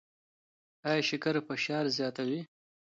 ایا شکر فشار زیاتوي؟